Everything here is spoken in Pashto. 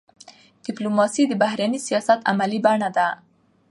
ډيپلوماسي د بهرني سیاست عملي بڼه ده.